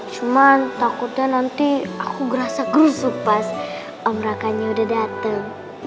cuman takutnya nanti aku ngerasa gerusuk pas om rakanya udah datang